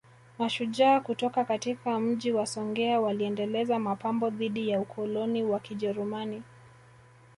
Mashujaa kutoka katika Mji wa Songea waliendeleza mapambano dhidi ya ukoloni wa Kijerumani